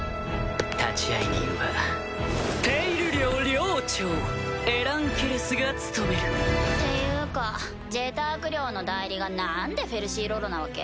立会人はペイル寮寮長エラン・ケレスが務める。っていうかジェターク寮の代理がなんでフェルシー・ロロなわけ？